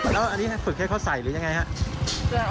แล้วอันนี้ฝึกให้เขาใส่หรือยังไงครับ